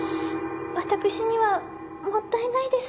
わたくしにはもったいないです。